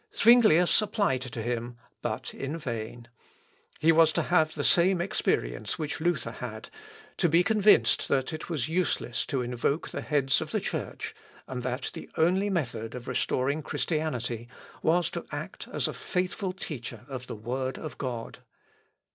Zuinglius applied to him, but in vain. He was to have the same experience which Luther had; to be convinced that it was useless to invoke the heads of the Church, and that the only method of restoring Christianity was to act as a faithful teacher of the Word of God.